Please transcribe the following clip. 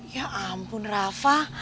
ya ampun rafa